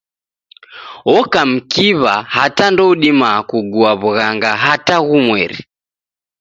Oka mkiw'a hata ndoudima kugua w'ughanga hata ghumweri.